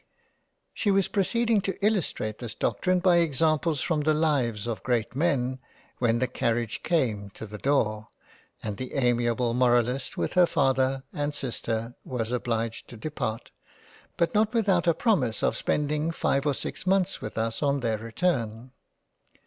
She was proceeding to illustrate this doctrine by examples from the Lives of great Men when the Carriage came to the Door and the amiable Moralist with her Father and Sister was obliged to depart ; but not without a promise of spending five or six months with us on their return.